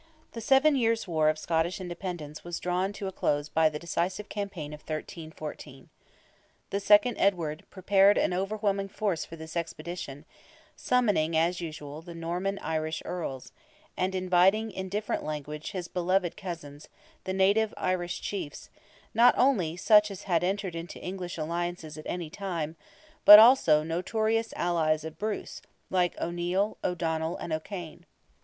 The seven years' war of Scottish independence was drawn to a close by the decisive campaign of 1314. The second Edward prepared an overwhelming force for this expedition, summoning, as usual, the Norman Irish Earls, and inviting in different language his "beloved" cousins, the native Irish Chiefs, not only such as had entered into English alliances at any time, but also notorious allies of Bruce, like O'Neil, O'Donnell, and O'Kane.